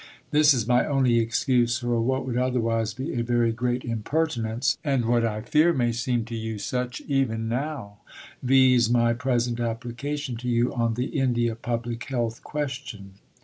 This is my only excuse for what would otherwise be a very great impertinence and what I fear may seem to you such even now, viz. my present application to you on the India Public Health question.